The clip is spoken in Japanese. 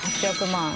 ８００万円？